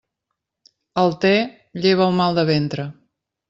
El té lleva el mal de ventre.